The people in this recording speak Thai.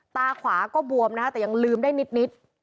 ตาขวาก็บวมนะคะแต่ยังลืมได้นิด